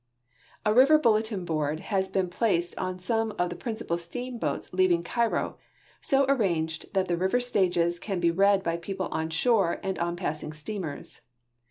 A river bulletin board has been placed on some of the prin cipal steamboats leaving Cairo, so arranged that the river stages can lie read by people on shore and on passing steamers.